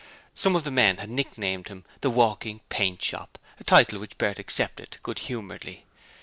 Some of the men had nicknamed him 'the walking paint shop', a title which Bert accepted good humouredly.